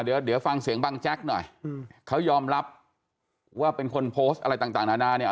เดี๋ยวฟังเสียงบ้างแจ๊คหน่อยเขายอมรับว่าเป็นคนโพสต์อะไรต่างนานา